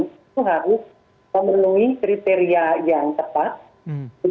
itu harus memenuhi kriteria yang tepat